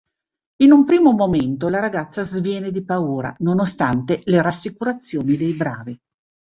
In un primo momento, la ragazza sviene di paura, nonostante le rassicurazioni dei bravi.